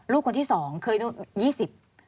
ลูกคนที่สองเคยลูก๒๐